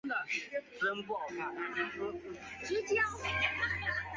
柴玲与远志明同是八九民运的前学运领袖。